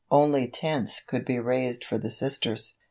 Only tents could be raised for the Sisters.